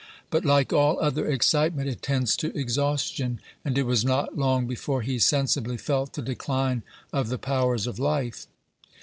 But, like all other excitement, it tends to exhaustion, and it was not long before he sensibly felt the decline of the powers of life.